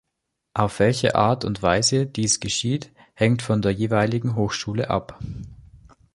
Auf welche Art und Weise dies geschieht, hängt von der jeweiligen Hochschule ab.